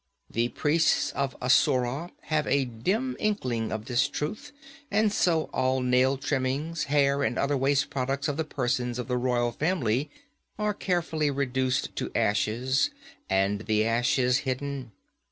The priests of Asura have a dim inkling of this truth, and so all nail trimmings, hair and other waste products of the persons of the royal family are carefully reduced to ashes and the ashes hidden.